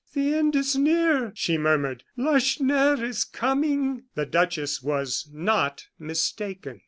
"The end is near," she murmured. "Lacheneur is coming!" The duchess was not mistaken.